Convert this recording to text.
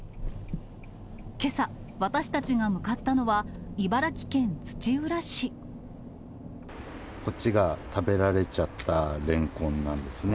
けさ、私たちが向かったのは、こっちが食べられちゃったレンコンなんですね。